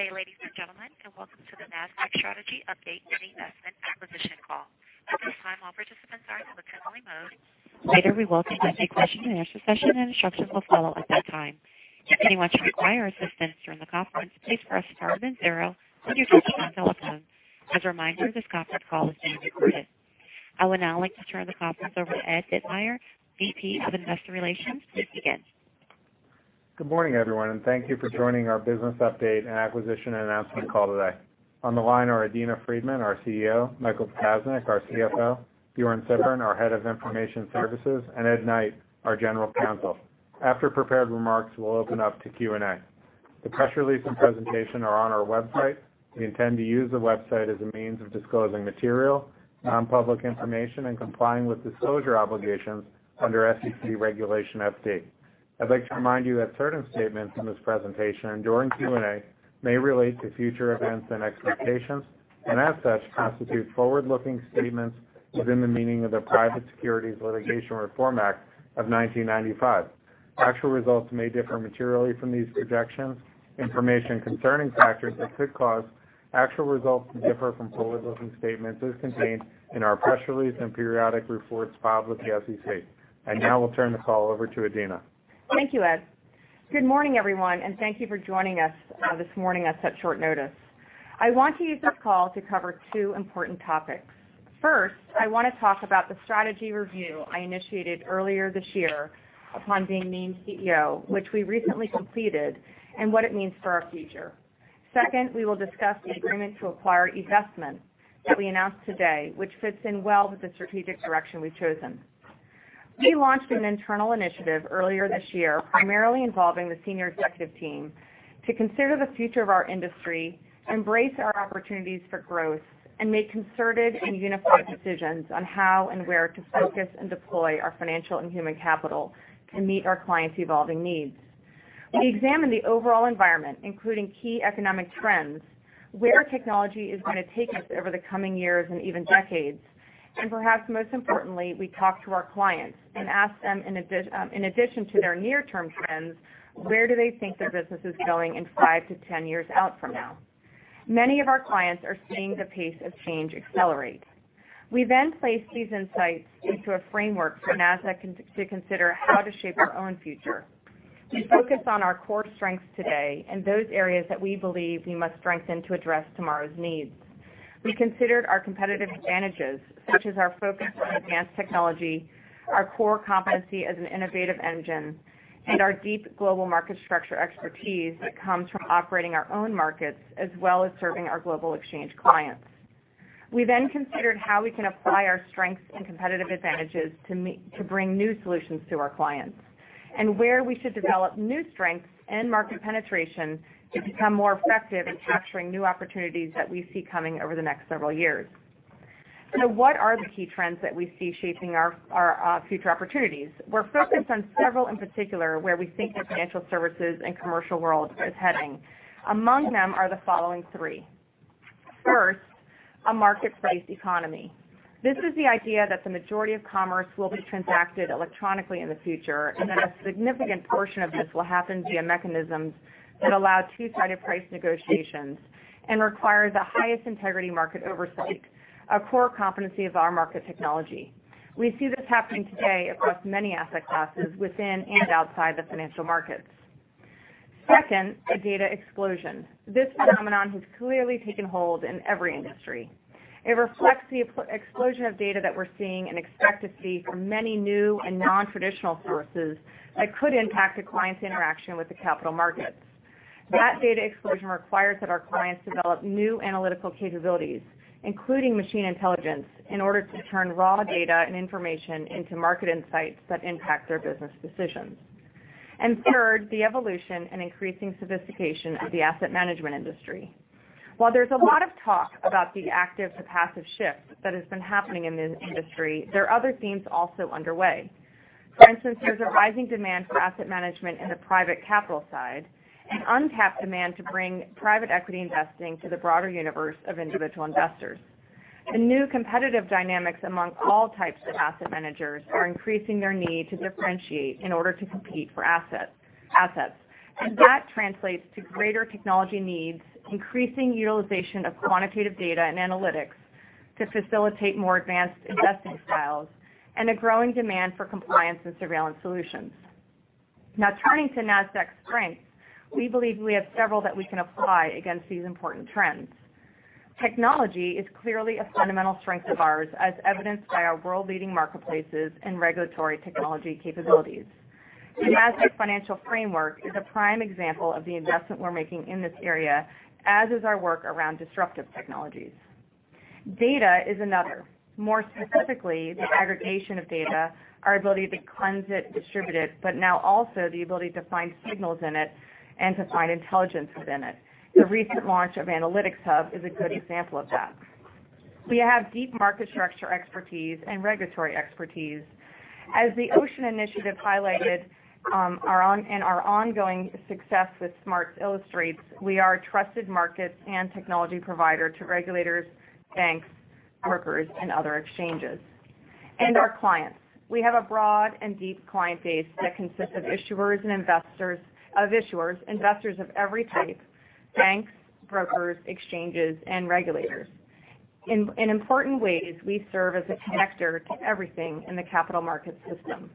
Good day, ladies and gentlemen, welcome to the Nasdaq Strategy Update and eVestment Acquisition call. At this time, all participants are in listen-only mode. Later, we will conduct a question-and-answer session, and instructions will follow at that time. If anyone should require assistance during the conference, please press star then zero on your touch-tone telephone. As a reminder, this conference call is being recorded. I would now like to turn the conference over to Ed Ditmyer, VP of Investor Relations, to begin. Good morning, everyone, thank you for joining our business update and acquisition announcement call today. On the line are Adena Friedman, our CEO; Michael Ptasznik, our CFO; Bjørn Sibbern, our Head of Information Services; and Edward Knight, our General Counsel. After prepared remarks, we'll open up to Q&A. The press release and presentation are on our website. We intend to use the website as a means of disclosing material, non-public information, and complying with disclosure obligations under SEC Regulation FD. I'd like to remind you that certain statements in this presentation and during Q&A may relate to future events and expectations, and as such, constitute forward-looking statements within the meaning of the Private Securities Litigation Reform Act of 1995. Actual results may differ materially from these projections. Information concerning factors that could cause actual results to differ from forward-looking statements is contained in our press release and periodic reports filed with the SEC. I now will turn this call over to Adena. Thank you, Ed. Good morning, everyone, thank you for joining us this morning at such short notice. I want to use this call to cover two important topics. First, I want to talk about the strategy review I initiated earlier this year upon being named CEO, which we recently completed, and what it means for our future. Second, we will discuss the agreement to acquire eVestment that we announced today, which fits in well with the strategic direction we've chosen. We launched an internal initiative earlier this year, primarily involving the senior executive team, to consider the future of our industry, embrace our opportunities for growth, and make concerted and unified decisions on how and where to focus and deploy our financial and human capital to meet our clients' evolving needs. We examined the overall environment, including key economic trends, where technology is going to take us over the coming years and even decades. Perhaps most importantly, we talked to our clients and asked them, in addition to their near-term trends, where do they think their business is going in 5-10 years out from now. Many of our clients are seeing the pace of change accelerate. We placed these insights into a framework for Nasdaq to consider how to shape our own future. We focused on our core strengths today and those areas that we believe we must strengthen to address tomorrow's needs. We considered our competitive advantages, such as our focus on advanced technology, our core competency as an innovative engine, and our deep global market structure expertise that comes from operating our own markets as well as serving our global exchange clients. We considered how we can apply our strengths and competitive advantages to bring new solutions to our clients and where we should develop new strengths and market penetration to become more effective in capturing new opportunities that we see coming over the next several years. What are the key trends that we see shaping our future opportunities? We're focused on several in particular where we think the financial services and commercial world is heading. Among them are the following three. First, a market-based economy. This is the idea that the majority of commerce will be transacted electronically in the future, and that a significant portion of this will happen via mechanisms that allow two-sided price negotiations and requires the highest integrity market oversight, a core competency of our market technology. We see this happening today across many asset classes within and outside the financial markets. Second, a data explosion. This phenomenon has clearly taken hold in every industry. It reflects the explosion of data that we're seeing and expect to see from many new and non-traditional sources that could impact a client's interaction with the capital markets. That data explosion requires that our clients develop new analytical capabilities, including machine intelligence, in order to turn raw data and information into market insights that impact their business decisions. Third, the evolution and increasing sophistication of the asset management industry. While there's a lot of talk about the active to passive shift that has been happening in this industry, there are other themes also underway. For instance, there's a rising demand for asset management in the private capital side, an untapped demand to bring private equity investing to the broader universe of individual investors. The new competitive dynamics among all types of asset managers are increasing their need to differentiate in order to compete for assets. That translates to greater technology needs, increasing utilization of quantitative data and analytics to facilitate more advanced investing styles, and a growing demand for compliance and surveillance solutions. Turning to Nasdaq's strengths, we believe we have several that we can apply against these important trends. Technology is clearly a fundamental strength of ours, as evidenced by our world-leading marketplaces and regulatory technology capabilities. The Nasdaq Financial Framework is a prime example of the investment we're making in this area, as is our work around disruptive technologies. Data is another. More specifically, the aggregation of data, our ability to cleanse it, distribute it, but now also the ability to find signals in it and to find intelligence within it. The recent launch of Analytics Hub is a good example of that. We have deep market structure expertise and regulatory expertise. As the Ocean initiative highlighted and our ongoing success with SMARTS illustrates, we are a trusted market and technology provider to regulators, banks, brokers, other exchanges, and our clients. We have a broad and deep client base that consists of issuers and investors of every type, banks, brokers, exchanges, and regulators. In important ways, we serve as a connector to everything in the capital market system.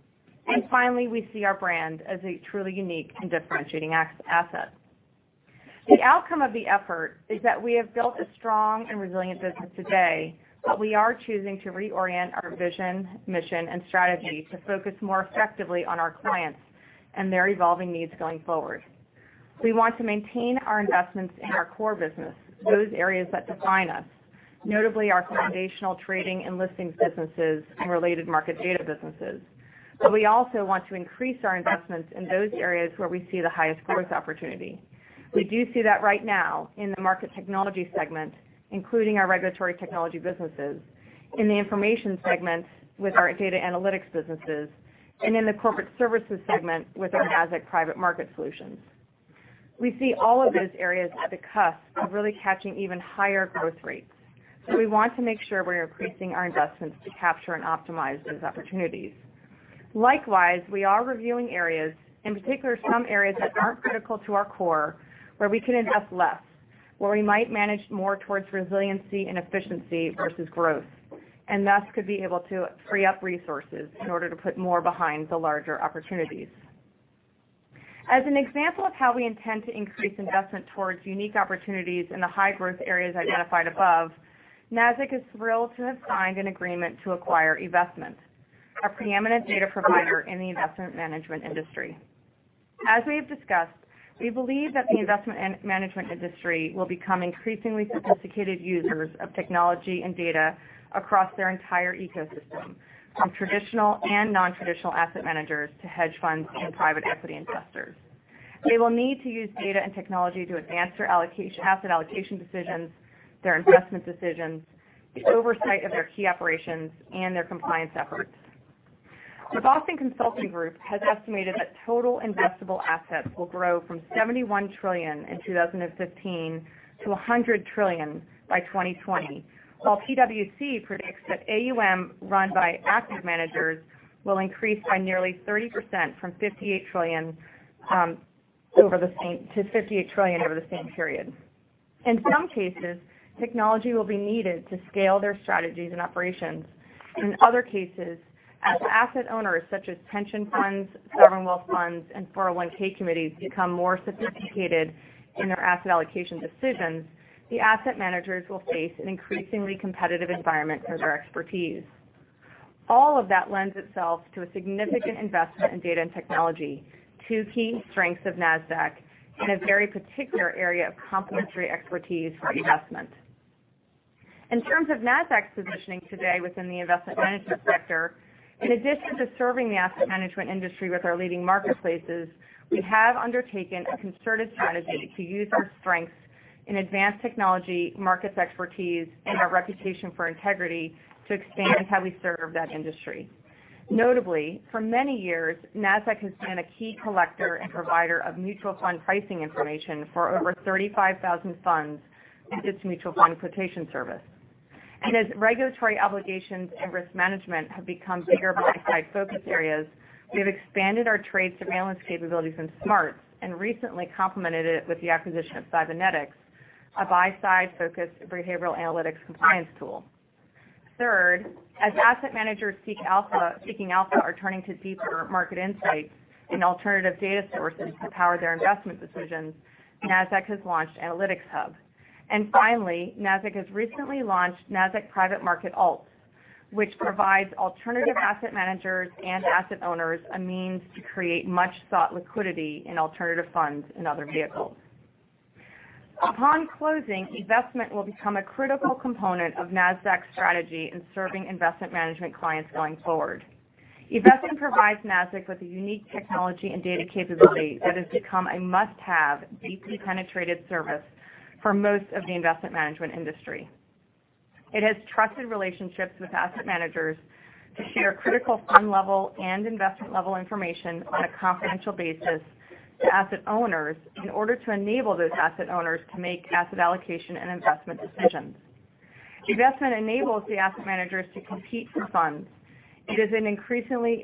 Finally, we see our brand as a truly unique and differentiating asset. The outcome of the effort is that we have built a strong and resilient business today, we are choosing to reorient our vision, mission, and strategy to focus more effectively on our clients and their evolving needs going forward. We want to maintain our investments in our core business, those areas that define us, notably our foundational trading and listings businesses and related market data businesses. We also want to increase our investments in those areas where we see the highest growth opportunity. We do see that right now in the market technology segment, including our regulatory technology businesses, in the information segments with our data analytics businesses, and in the corporate services segment with our Nasdaq Private Market solutions. We see all of those areas at the cusp of really catching even higher growth rates. We want to make sure we're increasing our investments to capture and optimize those opportunities. Likewise, we are reviewing areas, in particular some areas that aren't critical to our core, where we can invest less, where we might manage more towards resiliency and efficiency versus growth, and thus could be able to free up resources in order to put more behind the larger opportunities. As an example of how we intend to increase investment towards unique opportunities in the high-growth areas identified above, Nasdaq is thrilled to have signed an agreement to acquire eVestment, a preeminent data provider in the investment management industry. As we have discussed, we believe that the investment management industry will become increasingly sophisticated users of technology and data across their entire ecosystem, from traditional and non-traditional asset managers to hedge funds and private equity investors. They will need to use data and technology to advance their asset allocation decisions, their investment decisions, the oversight of their key operations, and their compliance efforts. The Boston Consulting Group has estimated that total investable assets will grow from $71 trillion in 2015 to $100 trillion by 2020, while PwC predicts that AUM run by active managers will increase by nearly 30% from $58 trillion over the same period. In some cases, technology will be needed to scale their strategies and operations. In other cases, as asset owners such as pension funds, sovereign wealth funds, and 401 committees become more sophisticated in their asset allocation decisions, the asset managers will face an increasingly competitive environment for their expertise. All of that lends itself to a significant investment in data and technology, two key strengths of Nasdaq, and a very particular area of complementary expertise for eVestment. In terms of Nasdaq's positioning today within the investment management sector, in addition to serving the asset management industry with our leading marketplaces, we have undertaken a concerted strategy to use our strengths in advanced technology, markets expertise, and our reputation for integrity to expand how we serve that industry. Notably, for many years, Nasdaq has been a key collector and provider of mutual fund pricing information for over 35,000 funds with its Mutual Fund Quotation Service. As regulatory obligations and risk management have become bigger buy-side focus areas, we have expanded our trade surveillance capabilities in SMARTS and recently complemented it with the acquisition of Sybenetix, a buy-side-focused behavioral analytics compliance tool. Third, as asset managers seeking alpha are turning to deeper market insights and alternative data sources to power their investment decisions, Nasdaq has launched Analytics Hub. Finally, Nasdaq has recently launched Nasdaq Private Market Alts, which provides alternative asset managers and asset owners a means to create much-sought liquidity in alternative funds and other vehicles. Upon closing, eVestment will become a critical component of Nasdaq's strategy in serving investment management clients going forward. eVestment provides Nasdaq with a unique technology and data capability that has become a must-have, deeply penetrated service for most of the investment management industry. It has trusted relationships with asset managers to share critical fund level and investment level information on a confidential basis to asset owners in order to enable those asset owners to make asset allocation and investment decisions. eVestment enables the asset managers to compete for funds. It is increasingly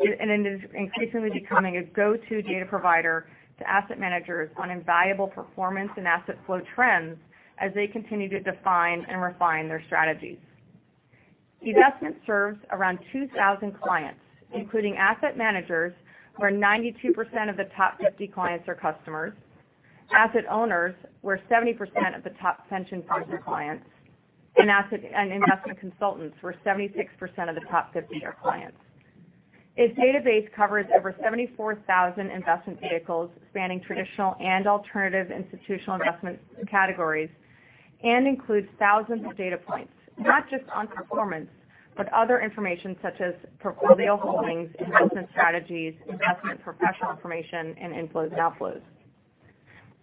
becoming a go-to data provider to asset managers on invaluable performance and asset flow trends as they continue to define and refine their strategies. eVestment serves around 2,000 clients, including asset managers, where 92% of the top 50 clients are customers; asset owners, where 70% of the top pension funds are clients; and investment consultants, where 76% of the top 50 are clients. Its database covers over 74,000 investment vehicles spanning traditional and alternative institutional investment categories and includes thousands of data points, not just on performance, but other information such as portfolio holdings, investment strategies, investment professional information, and inflows and outflows.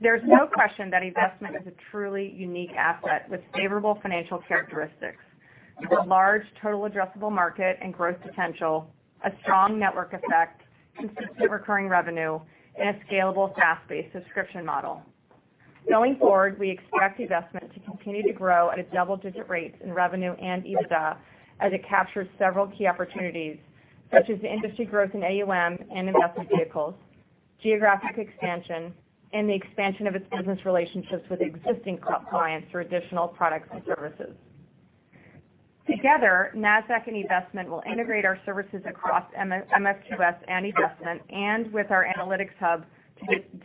There's no question that eVestment is a truly unique asset with favorable financial characteristics, a large total addressable market and growth potential, a strong network effect, consistent recurring revenue, and a scalable SaaS-based subscription model. Going forward, we expect eVestment to continue to grow at a double-digit rate in revenue and EBITDA as it captures several key opportunities such as the industry growth in AUM and investment vehicles, geographic expansion, and the expansion of its business relationships with existing clients through additional products and services. Together, Nasdaq and eVestment will integrate our services across MFQS and eVestment and with our Analytics Hub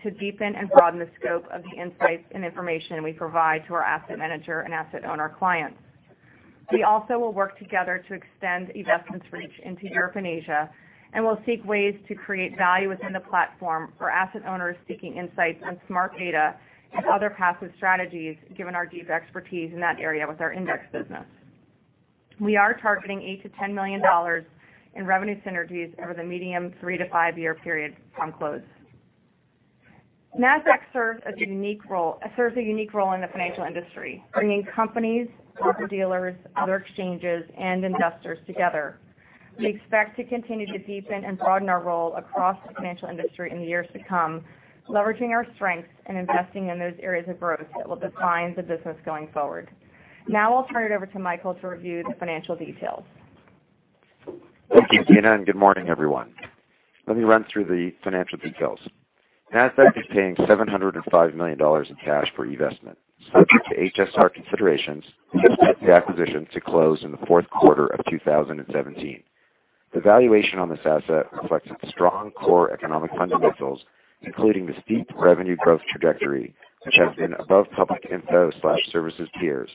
to deepen and broaden the scope of the insights and information we provide to our asset manager and asset owner clients. We also will work together to extend eVestment's reach into Europe and Asia, and we'll seek ways to create value within the platform for asset owners seeking insights on smart beta and other passive strategies, given our deep expertise in that area with our index business. We are targeting $8 million-$10 million in revenue synergies over the medium three- to five-year period from close. Nasdaq serves a unique role in the financial industry, bringing companies, market dealers, other exchanges, and investors together. We expect to continue to deepen and broaden our role across the financial industry in the years to come, leveraging our strengths and investing in those areas of growth that will define the business going forward. Now I'll turn it over to Michael to review the financial details. Thank you, Adena, good morning, everyone. Let me run through the financial details. Nasdaq is paying $705 million in cash for eVestment, subject to HSR considerations with the acquisition to close in the fourth quarter of 2017. The valuation on this asset reflects its strong core economic fundamentals, including the steep revenue growth trajectory, which has been above public info/services peers.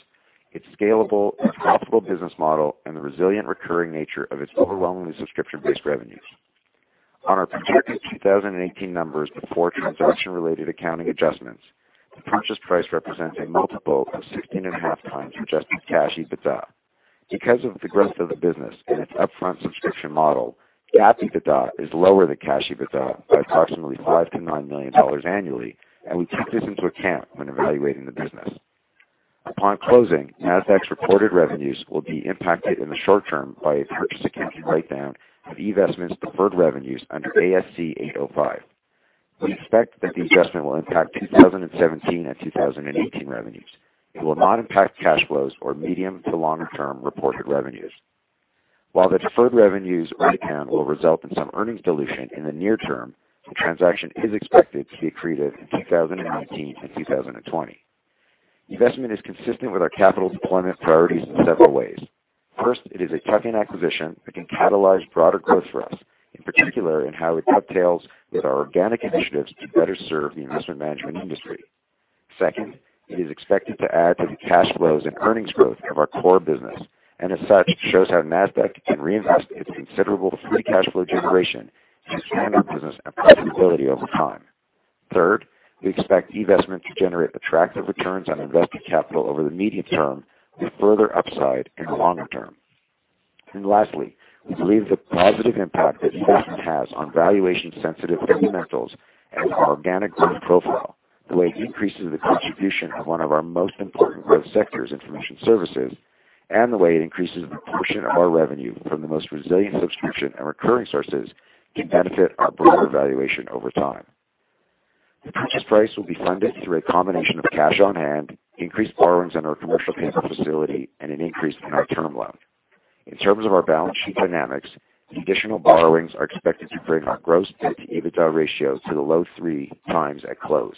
Its scalable and profitable business model and the resilient recurring nature of its overwhelmingly subscription-based revenues. On our projected 2018 numbers before transaction-related accounting adjustments, the purchase price represents a multiple of 16.5x adjusted cash EBITDA. Because of the growth of the business and its upfront subscription model, GAAP EBITDA is lower than cash EBITDA by approximately $5 million-$9 million annually. We took this into account when evaluating the business. Upon closing, Nasdaq's reported revenues will be impacted in the short term by a purchase accounting write-down of eVestment's deferred revenues under ASC 805. We expect that the adjustment will impact 2017 and 2018 revenues. It will not impact cash flows or medium- to longer-term reported revenues. While the deferred revenues earn account will result in some earnings dilution in the near term, the transaction is expected to be accretive in 2019 and 2020. eVestment is consistent with our capital deployment priorities in several ways. First, it is a tuck-in acquisition that can catalyze broader growth for us, in particular in how it dovetails with our organic initiatives to better serve the investment management industry. Second, it is expected to add to the cash flows and earnings growth of our core business. As such, shows how Nasdaq can reinvest its considerable free cash flow generation to expand our business and profitability over time. Third, we expect eVestment to generate attractive returns on invested capital over the medium term with further upside in the longer term. Lastly, we believe the positive impact that eVestment has on valuation-sensitive fundamentals and its organic growth profile, the way it increases the contribution of one of our most important growth sectors, Information Services, and the way it increases the portion of our revenue from the most resilient subscription and recurring sources can benefit our broader valuation over time. The purchase price will be funded through a combination of cash on hand, increased borrowings on our commercial paper facility, and an increase in our term loan. In terms of our balance sheet dynamics, the additional borrowings are expected to bring our gross debt-to-EBITDA ratio to the low three times at close.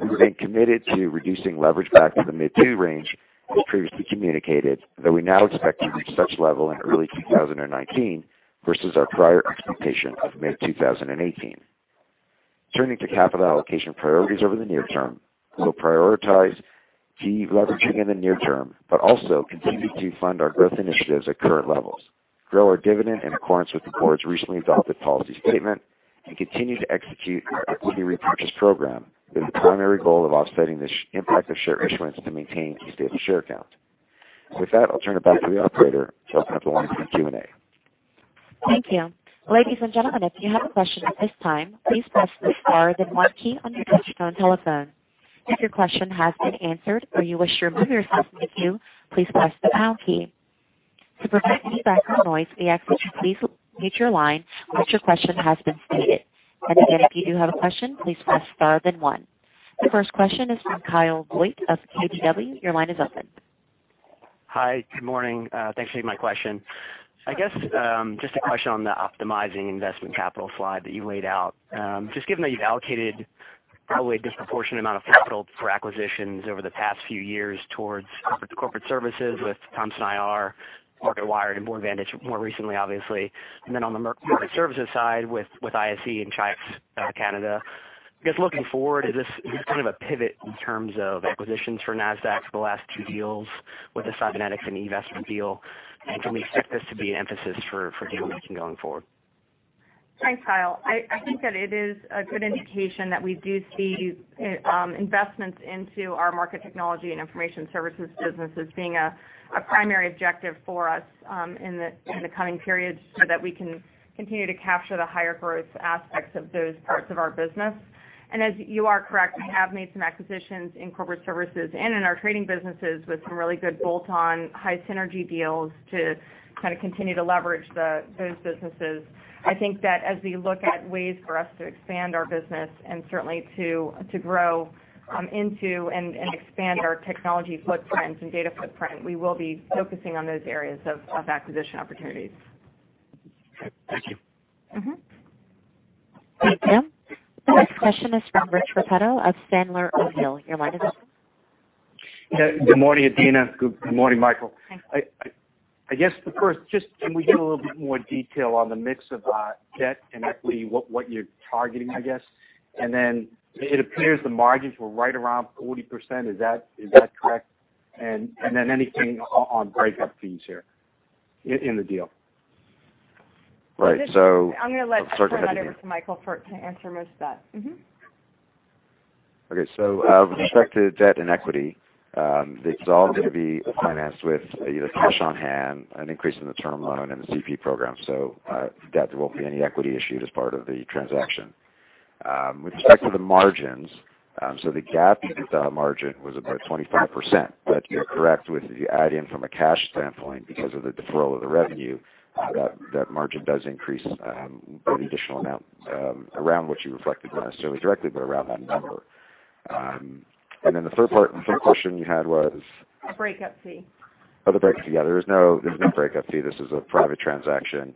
We remain committed to reducing leverage back to the mid-two range as previously communicated, though we now expect to reach such level in early 2019 versus our prior expectation of mid-2018. Turning to capital allocation priorities over the near term, we'll prioritize de-leveraging in the near term, but also continue to fund our growth initiatives at current levels, grow our dividend in accordance with the board's recently adopted policy statement, and continue to execute our equity repurchase program with the primary goal of offsetting the impact of share issuance to maintain a stable share count. With that, I'll turn it back to the operator to open up the lines for Q&A. Thank you. Ladies and gentlemen, if you have a question at this time, please press the star then one key on your touchtone telephone. If your question has been answered or you wish to remove yourself from the queue, please press the pound key. To prevent feedback or noise, we ask that you please mute your line once your question has been stated. Again, if you do have a question, please press star then one. The first question is from Kyle Voigt of KBW. Your line is open. Hi. Good morning. Thanks for taking my question. I guess, just a question on the optimizing investment capital slide that you laid out. Just given that you've allocated probably a disproportionate amount of capital for acquisitions over the past few years towards corporate services with Thomson IR, Marketwired, and Boardvantage more recently, obviously, and then on the market services side with ISE and Chi-X Canada. I guess looking forward, is this kind of a pivot in terms of acquisitions for Nasdaq for the last two deals with the Sybenetix and eVestment deal? Can we expect this to be an emphasis for deal-making going forward? Thanks, Kyle. I think that it is a good indication that we do see investments into our market technology and information services businesses being a primary objective for us in the coming periods so that we can continue to capture the higher growth aspects of those parts of our business. As you are correct, we have made some acquisitions in corporate services and in our trading businesses with some really good bolt-on high synergy deals to kind of continue to leverage those businesses. I think that as we look at ways for us to expand our business and certainly to grow into and expand our technology footprints and data footprint, we will be focusing on those areas of acquisition opportunities. Okay. Thank you. Thank you. The next question is from Rich Repetto of Sandler O'Neill. Your line is open. Good morning, Adena. Good morning, Michael. Hi. Just can we get a little bit more detail on the mix of debt and equity, what you're targeting, I guess? It appears the margins were right around 40%. Is that correct? Anything on breakup fees here in the deal? I'm going to let Michael answer most of that. Okay. With respect to debt and equity, it's all going to be financed with either cash on hand, an increase in the term loan, and the CP program. There won't be any equity issued as part of the transaction. With respect to the margins, the GAAP EBITDA margin was about 25%, but you're correct, if you add in from a cash standpoint because of the deferral of the revenue, that margin does increase by the additional amount around what you reflected, not necessarily directly, but around that number. The third part, the third question you had was? A breakup fee. Oh, the breakup. Yeah, there is no breakup fee. This is a private transaction.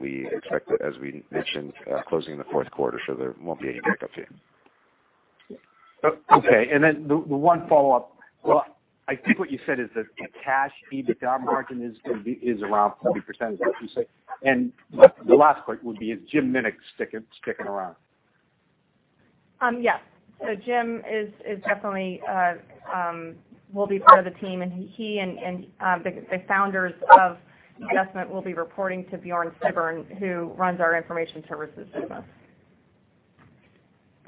We expect, as we mentioned, closing in the fourth quarter, there won't be any breakup fee. Okay, the one follow-up. I think what you said is that the cash EBITDA margin is around 40%, is that what you say? The last point would be, is Jim Minnick sticking around? Yes. Jim definitely will be part of the team, and he and the founders of eVestment will be reporting to Bjørn Sibbern, who runs our Information Services business.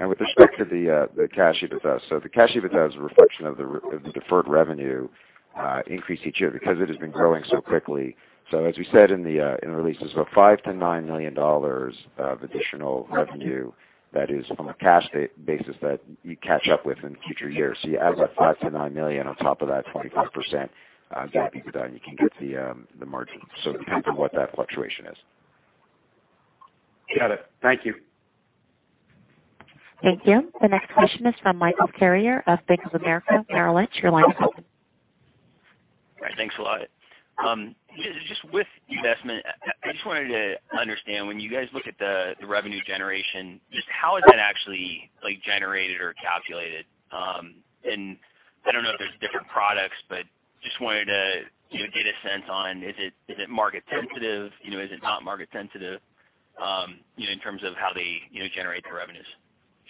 With respect to the cash EBITDA, the cash EBITDA is a reflection of the deferred revenue increase each year because it has been growing so quickly. As we said in the release, there is about $5 million-$9 million of additional revenue that is from a cash basis that you catch up with in future years. You add about $5 million-$9 million on top of that 25% GAAP EBITDA, and you can get the margin. It depends on what that fluctuation is. Got it. Thank you. Thank you. The next question is from Michael Carrier of Bank of America. Michael, your line is open. Thanks a lot. Just with eVestment, I just wanted to understand, when you guys look at the revenue generation, just how is that actually generated or calculated? I don't know if there's different products, but just wanted to get a sense on, is it market sensitive? Is it not market sensitive, in terms of how they generate the revenues?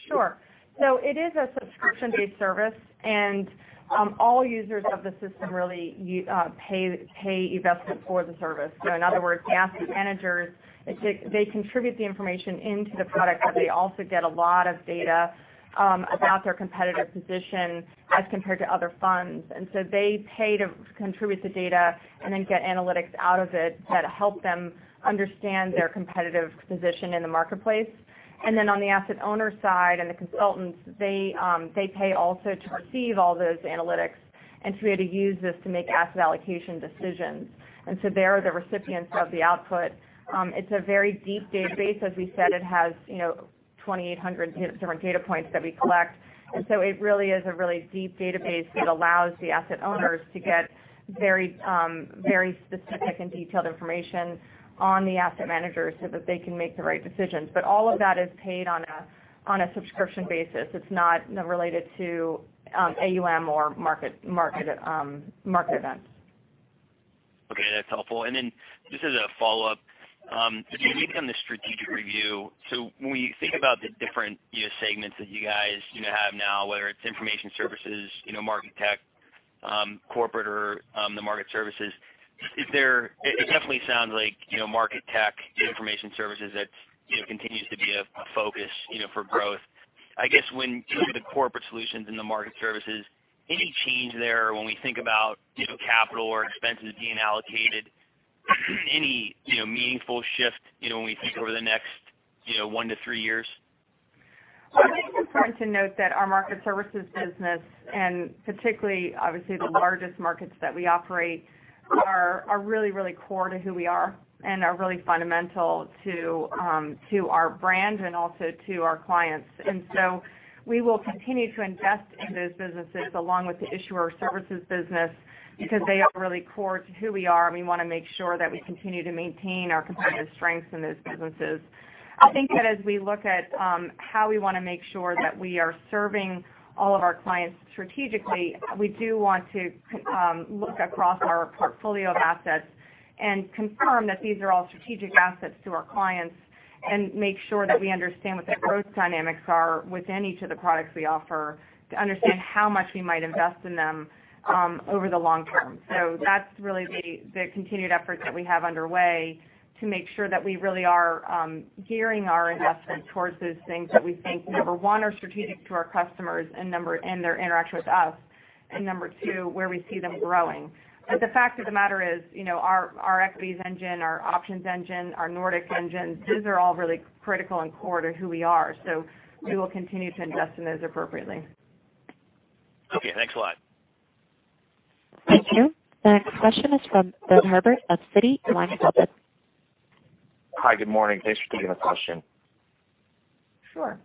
Sure. It is a subscription-based service, and all users of the system really pay eVestment for the service. In other words, the asset managers, they contribute the information into the product, but they also get a lot of data about their competitive position as compared to other funds. They pay to contribute the data and then get analytics out of it that help them understand their competitive position in the marketplace. On the asset owner side and the consultants, they pay also to receive all those analytics and to be able to use this to make asset allocation decisions. They're the recipients of the output. It's a very deep database. As we said, it has 2,800 different data points that we collect. It really is a really deep database that allows the asset owners to get very specific and detailed information on the asset managers so that they can make the right decisions. All of that is paid on a subscription basis. It's not related to AUM or market events. Okay, that's helpful. Just as a follow-up. Speaking on the strategic review, when we think about the different segments that you guys have now, whether it's Information Services, Market Tech, Corporate, or the Market Services, it definitely sounds like Market Tech, Information Services, that continues to be a focus for growth. I guess when looking at the Corporate Solutions and the Market Services, any change there when we think about capital or expenses being allocated? Any meaningful shift when we think over the next one to three years? I think it's important to note that our Market Services business, particularly, obviously, the largest markets that we operate are really, really core to who we are and are really fundamental to our brand and also to our clients. We will continue to invest in those businesses along with the Issuer Services business because they are really core to who we are, and we want to make sure that we continue to maintain our competitive strengths in those businesses. I think that as we look at how we want to make sure that we are serving all of our clients strategically, we do want to look across our portfolio of assets and confirm that these are all strategic assets to our clients and make sure that we understand what the growth dynamics are within each of the products we offer to understand how much we might invest in them over the long term. That's really the continued effort that we have underway to make sure that we really are gearing our investment towards those things that we think, number one, are strategic to our customers and their interaction with us, and number two, where we see them growing. The fact of the matter is, our equities engine, our options engine, our Nordics engine, these are all really critical and core to who we are. We will continue to invest in those appropriately. Okay, thanks a lot. Thank you. The next question is from Benjamin Herbert of Citi. Your line is open. Hi, good morning. Thanks for taking the question. Sure.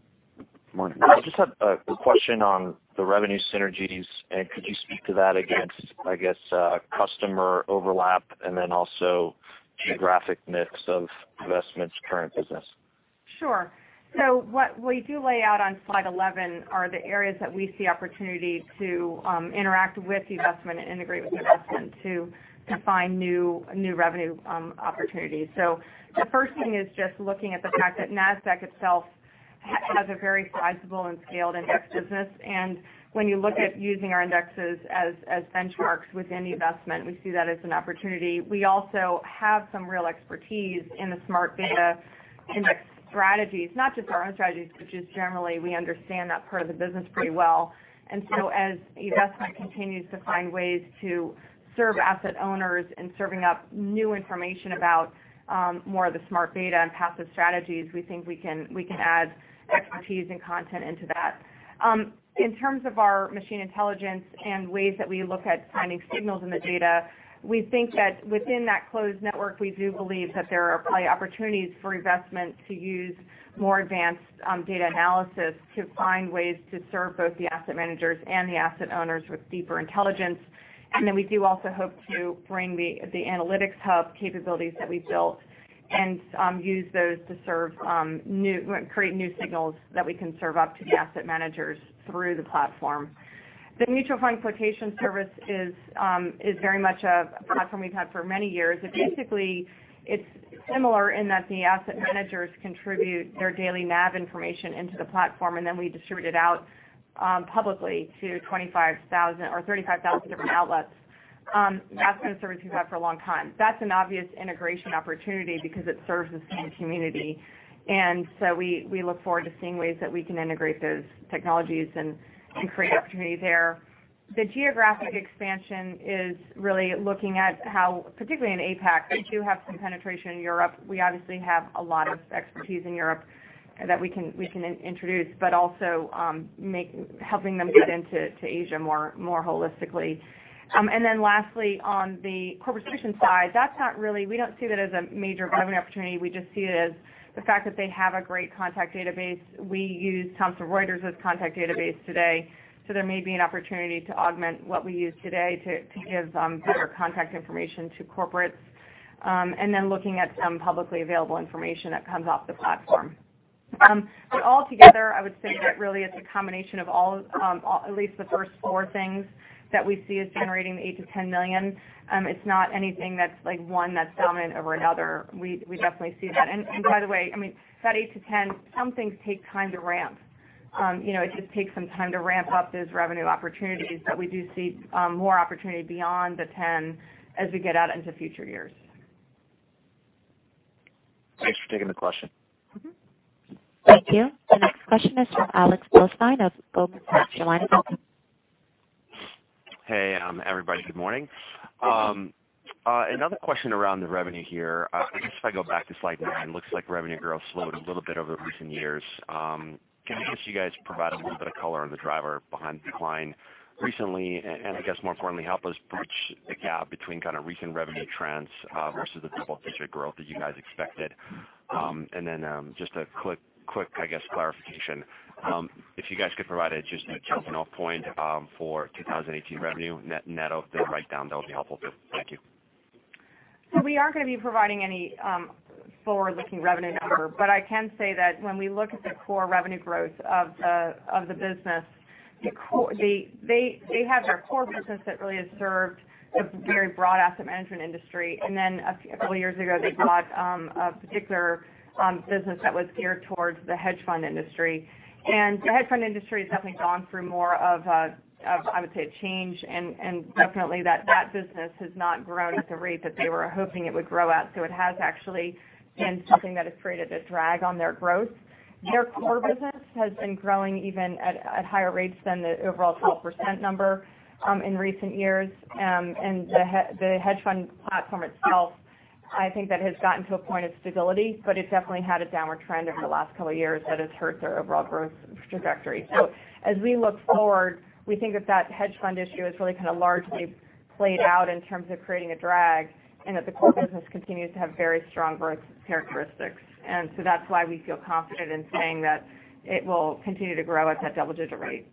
Morning. I just have a question on the revenue synergies, could you speak to that against, I guess, customer overlap, and then also the geographic mix of eVestment's current business? Sure. What we do lay out on slide 11 are the areas that we see opportunity to interact with eVestment and integrate with eVestment to find new revenue opportunities. The first thing is just looking at the fact that Nasdaq itself has a very sizable and scaled index business. When you look at using our indexes as benchmarks within eVestment, we see that as an opportunity. We also have some real expertise in the smart beta index strategies. Not just our own strategies, but just generally, we understand that part of the business pretty well. As eVestment continues to find ways to serve asset owners and serving up new information about more of the smart beta and passive strategies, we think we can add expertise and content into that. In terms of our machine intelligence and ways that we look at finding signals in the data, we think that within that closed network, we do believe that there are probably opportunities for eVestment to use more advanced data analysis to find ways to serve both the asset managers and the asset owners with deeper intelligence. We do also hope to bring the Analytics Hub capabilities that we've built and use those to create new signals that we can serve up to the asset managers through the platform. The Mutual Fund Quotation Service is very much a platform we've had for many years. Basically, it's similar in that the asset managers contribute their daily NAV information into the platform, and then we distribute it out publicly to 35,000 different outlets. That's been a service we've had for a long time. That's an obvious integration opportunity because it serves the same community. We look forward to seeing ways that we can integrate those technologies and create opportunity there. The geographic expansion is really looking at how, particularly in APAC, they do have some penetration in Europe. We obviously have a lot of expertise in Europe that we can introduce, but also helping them get into Asia more holistically. Lastly, on the corporate solution side, we don't see that as a major revenue opportunity. We just see it as the fact that they have a great contact database. We use Thomson Reuters as a contact database today, so there may be an opportunity to augment what we use today to give better contact information to corporates, and then looking at some publicly available information that comes off the platform. All together, I would say that really it's a combination of at least the first four things that we see as generating the $8 million-$10 million. It's not anything that's one that's dominant over another. We definitely see that. By the way, that $8-$10, some things take time to ramp. It just takes some time to ramp up those revenue opportunities, but we do see more opportunity beyond the 10 as we get out into future years. Thanks for taking the question. Thank you. The next question is from Alexander Blostein of Goldman Sachs. Your line is open. Hey, everybody. Good morning. Another question around the revenue here. I guess if I go back to slide nine, looks like revenue growth slowed a little bit over recent years. Can I guess you guys provide a little bit of color on the driver behind the decline recently, and I guess more importantly, help us bridge the gap between recent revenue trends versus the type of future growth that you guys expected? Just a quick, I guess, clarification. If you guys could provide just a jumping-off point for 2018 revenue, net of the write-down, that would be helpful, too. Thank you. We aren't going to be providing any forward-looking revenue number. I can say that when we look at the core revenue growth of the business, they have their core business that really has served the very broad asset management industry. A couple of years ago, they bought a particular business that was geared towards the hedge fund industry. The hedge fund industry has definitely gone through more of, I would say, a change, and definitely that business has not grown at the rate that they were hoping it would grow at. It has actually been something that has created a drag on their growth. Their core business has been growing even at higher rates than the overall 12% number in recent years. The hedge fund platform itself, I think that has gotten to a point of stability, it definitely had a downward trend over the last couple of years that has hurt their overall growth trajectory. As we look forward, we think that hedge fund issue is really kind of largely played out in terms of creating a drag, and that the core business continues to have very strong growth characteristics. That's why we feel confident in saying that it will continue to grow at that double-digit rate.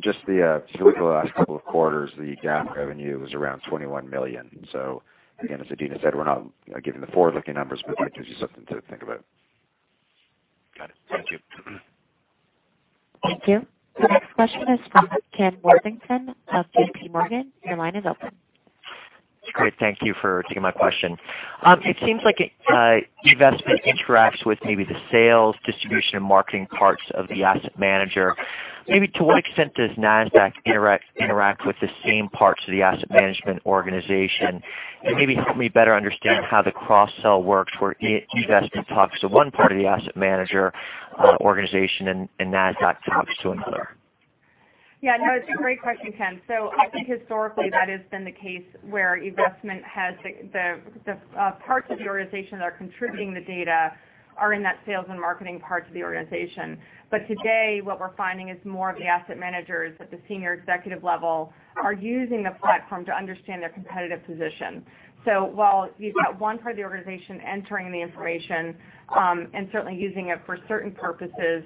Just looking at the last couple of quarters, the GAAP revenue was around $21 million. Again, as Adena said, we're not giving the forward-looking numbers, it gives you something to think about. Got it. Thank you. Thank you. The next question is from Kenneth Worthington of JPMorgan. Your line is open. Great, thank you for taking my question. It seems like eVestment interacts with maybe the sales, distribution, and marketing parts of the asset manager. To what extent does Nasdaq interact with the same parts of the asset management organization? Maybe help me better understand how the cross-sell works where eVestment talks to one part of the asset manager organization and Nasdaq talks to another. Yeah, no, it's a great question, Ken. I think historically, that has been the case where eVestment has the parts of the organization that are contributing the data are in that sales and marketing parts of the organization. Today, what we're finding is more of the asset managers at the senior executive level are using the platform to understand their competitive position. While you've got one part of the organization entering the information, and certainly using it for certain purposes,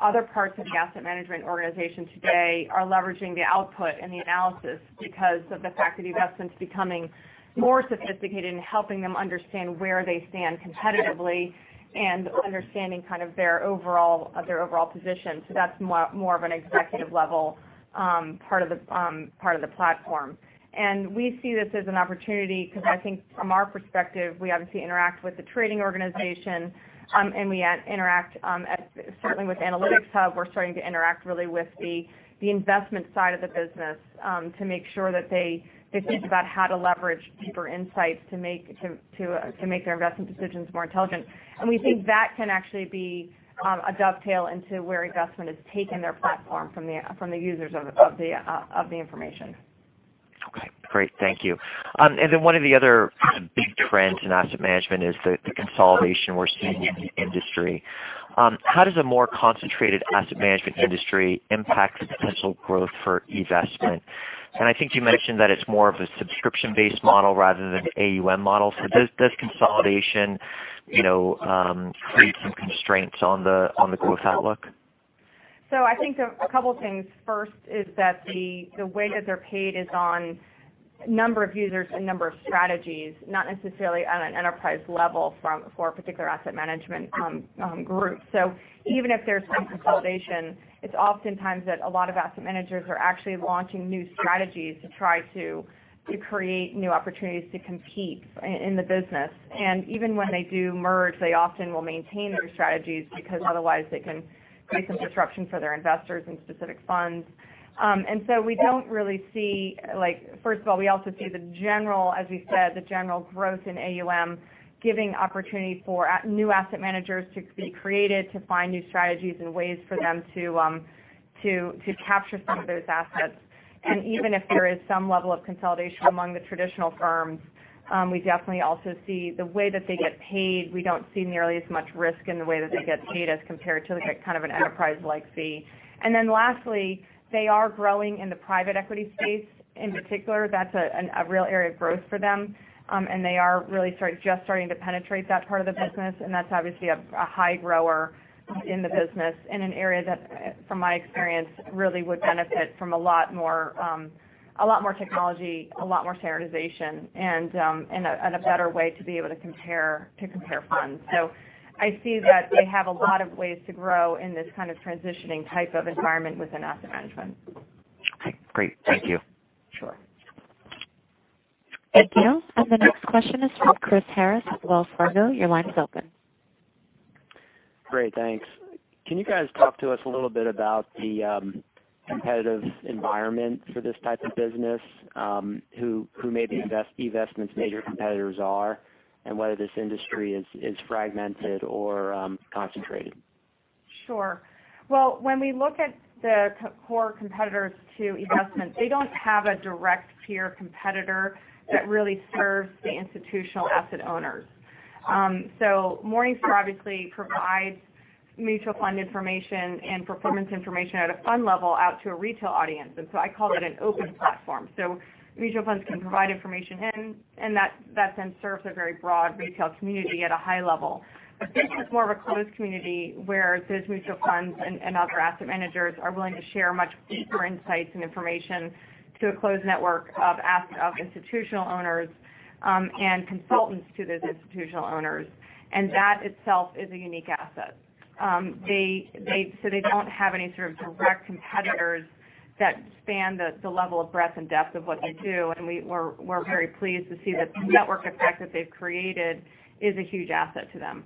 other parts of the asset management organization today are leveraging the output and the analysis because of the fact that eVestment's becoming more sophisticated in helping them understand where they stand competitively and understanding their overall position. That's more of an executive level part of the platform. We see this as an opportunity because I think from our perspective, we obviously interact with the trading organization, and we interact, certainly with Analytics Hub, we're starting to interact really with the investment side of the business, to make sure that they think about how to leverage deeper insights to make their investment decisions more intelligent. We think that can actually be a dovetail into where eVestment has taken their platform from the users of the information. Okay, great. Thank you. Then one of the other big trends in asset management is the consolidation we're seeing in the industry. How does a more concentrated asset management industry impact the potential growth for eVestment? I think you mentioned that it's more of a subscription-based model rather than an AUM model. Does consolidation create some constraints on the growth outlook? I think a couple things. First is that the way that they're paid is on number of users and number of strategies, not necessarily at an enterprise level for a particular asset management group. Even if there's some consolidation, it's oftentimes that a lot of asset managers are actually launching new strategies to try to create new opportunities to compete in the business. Even when they do merge, they often will maintain their strategies because otherwise they can create some disruption for their investors in specific funds. We don't really see. We also see, as we said, the general growth in AUM giving opportunity for new asset managers to be created to find new strategies and ways for them to capture some of those assets. Even if there is some level of consolidation among the traditional firms, we definitely also see the way that they get paid, we don't see nearly as much risk in the way that they get paid as compared to an enterprise like fee. Lastly, they are growing in the private equity space. In particular, that's a real area of growth for them. They are really just starting to penetrate that part of the business, and that's obviously a high grower in the business in an area that, from my experience, really would benefit from a lot more technology, a lot more standardization, and a better way to be able to compare funds. I see that they have a lot of ways to grow in this kind of transitioning type of environment within asset management. Okay, great. Thank you. Sure. Thank you. The next question is from Chris Harris with Wells Fargo. Your line is open. Great, thanks. Can you guys talk to us a little bit about the competitive environment for this type of business? Who maybe eVestment's major competitors are, and whether this industry is fragmented or concentrated? Sure. Well, when we look at the core competitors to eVestment, they don't have a direct peer competitor that really serves the institutional asset owners. Morningstar obviously provides mutual fund information and performance information at a fund level out to a retail audience. I call it an open platform. Mutual funds can provide information in, and that then serves a very broad retail community at a high level. This is more of a closed community where those mutual funds and other asset managers are willing to share much deeper insights and information to a closed network of institutional owners, and consultants to those institutional owners. That itself is a unique asset. They don't have any sort of direct competitors that span the level of breadth and depth of what they do, and we're very pleased to see the network effect that they've created is a huge asset to them.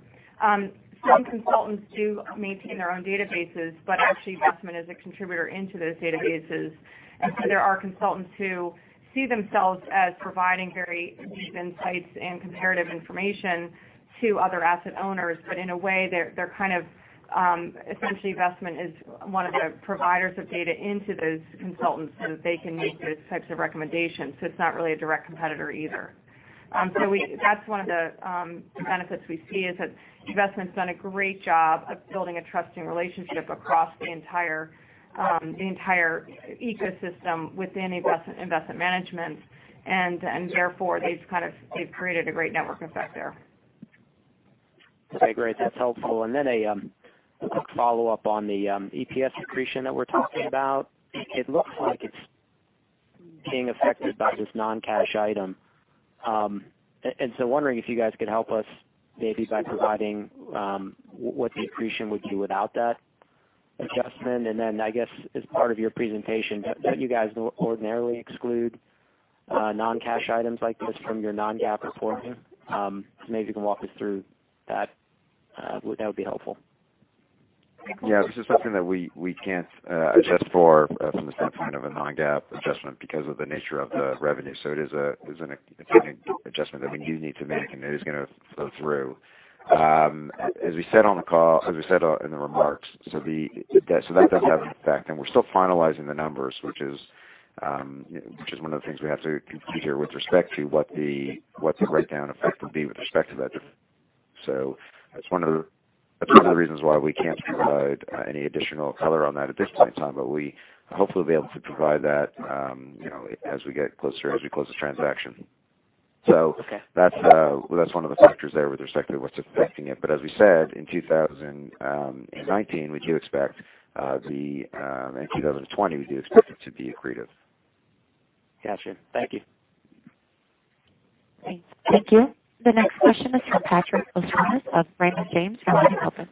Some consultants do maintain their own databases, but actually, eVestment is a contributor into those databases. There are consultants who see themselves as providing very deep insights and comparative information to other asset owners, but in a way, essentially, eVestment is one of the providers of data into those consultants so that they can make those types of recommendations. It's not really a direct competitor either. That's one of the benefits we see is that eVestment's done a great job of building a trusting relationship across the entire ecosystem within eVestment investment management. Therefore, they've created a great network effect there. Okay, great. That's helpful. A quick follow-up on the EPS accretion that we're talking about. It looks like it's being affected by this non-cash item. Wondering if you guys could help us maybe by providing what the accretion would be without that adjustment. I guess as part of your presentation, don't you guys ordinarily exclude non-cash items like this from your non-GAAP reporting? Maybe you can walk us through that. That would be helpful. This is something that we can't adjust for from the standpoint of a non-GAAP adjustment because of the nature of the revenue. It is an adjustment that we do need to make, and it is going to flow through. As we said in the remarks, that does have an effect, and we're still finalizing the numbers, which is one of the things we have to consider with respect to what the write-down effect would be with respect to that. That's one of the reasons why we can't provide any additional color on that at this point in time, but we hopefully will be able to provide that as we get closer, as we close the transaction. Okay. That's one of the factors there with respect to what's affecting it. As we said, in 2019, we do expect in 2020, we do expect it to be accretive. Got you. Thank you. Thank you. The next question is from Patrick O'Shaughnessy of Raymond James. Your line is open.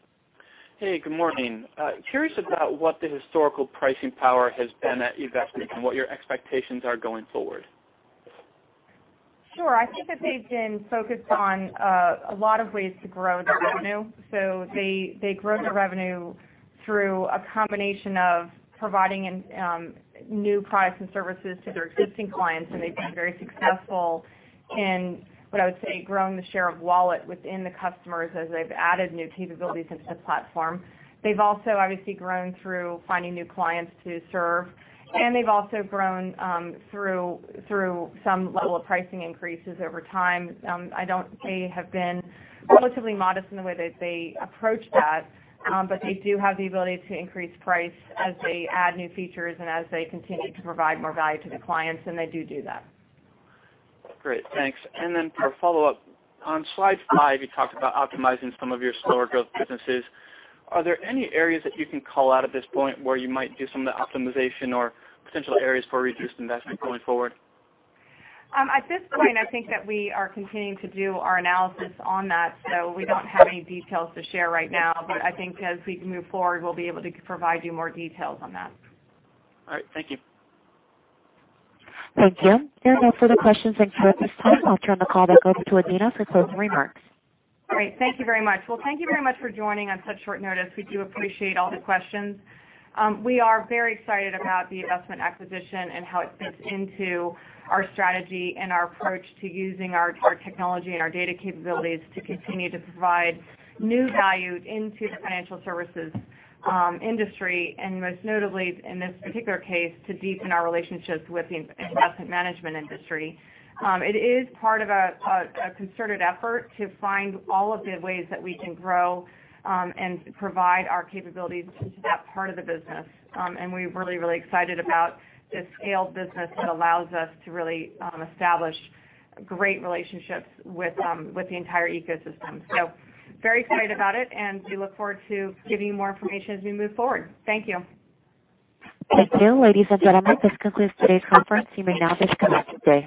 Hey, good morning. Curious about what the historical pricing power has been at eVestment and what your expectations are going forward. Sure. I think that they've been focused on a lot of ways to grow their revenue. They grow their revenue through a combination of providing new products and services to their existing clients, they've been very successful in, what I would say, growing the share of wallet within the customers as they've added new capabilities into the platform. They've also obviously grown through finding new clients to serve, they've also grown through some level of pricing increases over time. They have been relatively modest in the way that they approach that. They do have the ability to increase price as they add new features and as they continue to provide more value to the clients, they do that. Great, thanks. For a follow-up, on slide five, you talked about optimizing some of your slower growth businesses. Are there any areas that you can call out at this point where you might do some of the optimization or potential areas for reduced investment going forward? At this point, I think that we are continuing to do our analysis on that, we don't have any details to share right now. I think as we move forward, we'll be able to provide you more details on that. All right. Thank you. Thank you. There are no further questions in queue at this time. I'll turn the call back over to Adena for closing remarks. Great. Thank you very much. Thank you very much for joining on such short notice. We do appreciate all the questions. We are very excited about the eVestment acquisition and how it fits into our strategy and our approach to using our technology and our data capabilities to continue to provide new value into the financial services industry, and most notably in this particular case, to deepen our relationships with the investment management industry. It is part of a concerted effort to find all of the ways that we can grow and provide our capabilities to that part of the business. We're really, really excited about this scaled business that allows us to really establish great relationships with the entire ecosystem. Very excited about it, and we look forward to giving you more information as we move forward. Thank you. Thank you. Ladies and gentlemen, this concludes today's conference. You may now disconnect your-